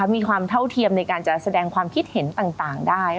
มีความเท่าเทียมในการจะแสดงความคิดเห็นต่างได้